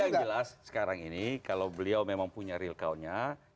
yang jelas sekarang ini kalau beliau memang punya real countnya